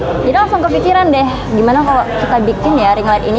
jadi langsung kepikiran deh gimana kalau kita bikin ya ring light ini